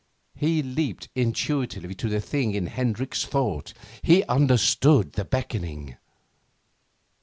He leaped intuitively to the thing in Hendricks' thought. He understood the beckoning.